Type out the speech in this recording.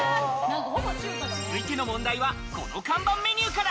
続いての問題はこの看板メニューから。